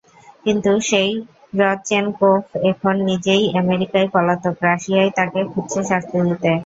কিন্তু সেই রদচেনকোভ এখন নিজেই আমেরিকায় পলাতক, রাশিয়াই তাঁকে খুঁজছে শাস্তি দিতে।